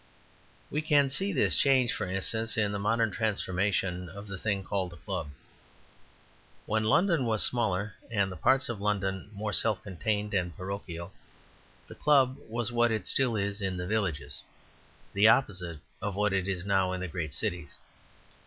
We can see this change, for instance, in the modern transformation of the thing called a club. When London was smaller, and the parts of London more self contained and parochial, the club was what it still is in villages, the opposite of what it is now in great cities.